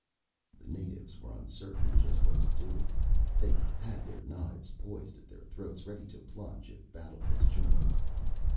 The natives were uncertain just what to do. They had their knives poised at their throats, ready to plunge if battle was joined.